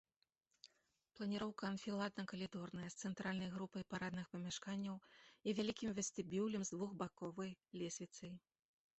Планіроўка анфіладна-калідорная з цэнтральнай групай парадных памяшканняў і вялікім вестыбюлем з двухбаковай лесвіцай.